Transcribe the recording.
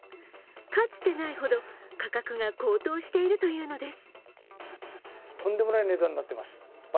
かつてないほど、価格が高騰しているというのです。